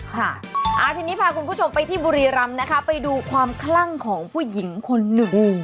ค่ะทีนี้พาคุณผู้ชมไปที่บุรีรำนะคะไปดูความคลั่งของผู้หญิงคนหนึ่ง